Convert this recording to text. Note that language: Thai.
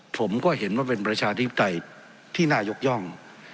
ผมก็เห็นว่าเป็นประชาธิปไตยที่น่ายกย่อง